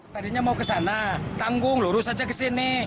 tadinya mau kesana tanggung lurus aja kesini